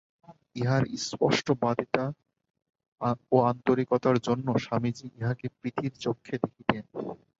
ইঁহার স্পষ্টবাদিতা ও আন্তরিকতার জন্য স্বামীজী ইঁহাকে প্রীতির চক্ষে দেখিতেন।